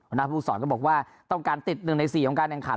บรรณาภูมิสอนก็บอกว่าต้องการติดหนึ่งในสี่ของการแห่งขัน